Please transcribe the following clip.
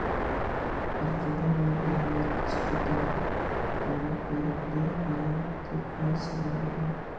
ئارقىدىنلا يەنە نەچچە قېتىم بۇيرۇق بېرىۋىدى، يەنە تەكرار سالام بەردى.